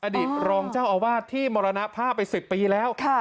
อดีตรองเจ้าอาวาสที่มรณภาพไป๑๐ปีแล้ว